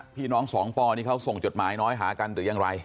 พี่น้องสองปอนี่เขาส่งจดหมายน้อยหากันหรือยังไร